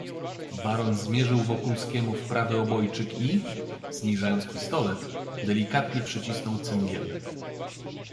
"Baron zmierzył Wokulskiemu w prawy obojczyk i, zniżając pistolet, delikatnie przycisnął cyngiel."